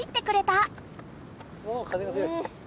お風が強い。